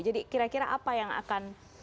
jadi kira kira apa yang akan